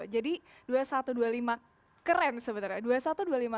jadi dua ribu satu ratus dua puluh lima keren sebenarnya